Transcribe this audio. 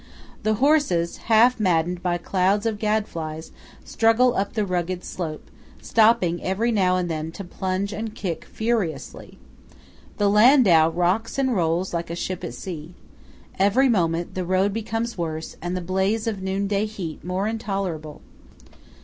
The horses, half maddened by clouds of gadflies, struggle up the rugged slope, stopping every now and then to plunge and kick furiously. The landau rocks and rolls like a ship at sea. Every moment the road becomes worse, and the blaze of noonday heat more intolerable.